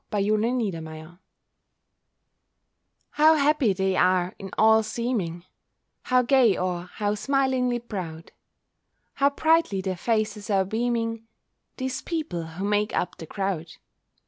IN THE CROWD How happy they are, in all seeming, How gay, or how smilingly proud, How brightly their faces are beaming, These people who make up the crowd!